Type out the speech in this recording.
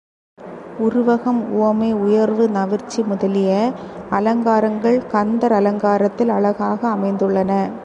உருவகம், உவமை, உயர்வு நவிற்சி முதலிய அலங்காரங்கள் கந்தர் அலங்காரத்தில் அழகாக அமைந்துள்ளன.